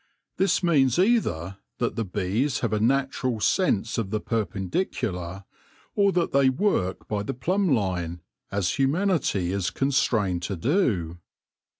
This means either that the bees have a natural sense of the perpendicular, or that they work by the plumb line, as humanity is constrained to do.